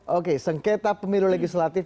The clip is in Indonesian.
oke sengketa pemilu legislatif